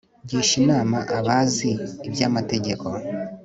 gisha inama abazi iby'amategeko